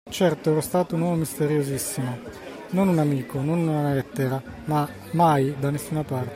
Certo ero stato un uomo misteriosissimo: non un amico, non una lettera, mai, da nessuna parte.